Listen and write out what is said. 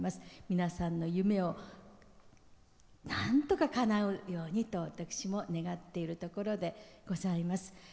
皆さんの夢をなんとか、かなうようにと私も願っているところでございます。